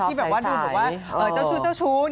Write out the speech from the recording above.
ที่แบบดูคือเหมือนว่าเจ้าชู้